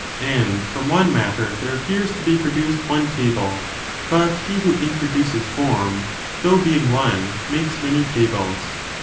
And from one matter there appears to be produced one table ; but he who introduces form, though being one, makes many tables.